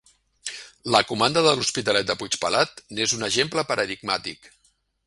La comanda de l'Hospitalet de Puigpelat n'és un exemple paradigmàtic.